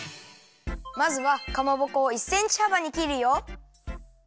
まずはかまぼこを１センチはばにきるよ！